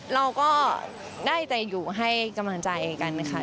เราก็ได้แต่อยู่ให้กำลังใจกันค่ะ